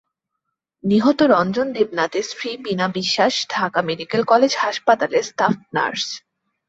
নিহত রঞ্জন দেবনাথের স্ত্রী বীণা বিশ্বাস ঢাকা মেডিকেল কলেজ হাসপাতালের স্টাফ নার্স।